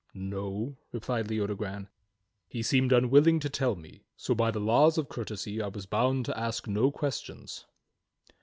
"No," replied Leodogran, "he seemed unwilling to tell me, so by the laws of courtesy I was bound to ask no questions."